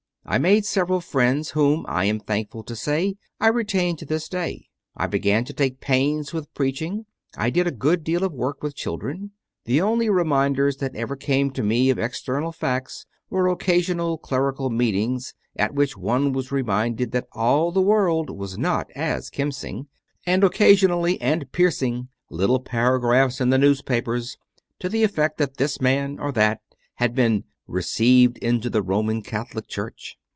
I made several friends, whom, I am thankful to say, I retain to this day; I began to take pains with preaching: I did a good deal of work with children. The only re minders that ever came to me of external facts were occasional clerical meetings, at which one was reminded that all the world was not as Kemsing, and occasional and piercing little paragraphs in the newspapers to the effect that this man or that had been "received into the Roman Catholic Church."